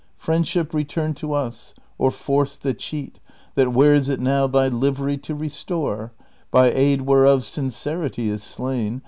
Friendship, return to us, or force the cheat That wears it now, thy livery to restore. By aid whereof sincerity is slain.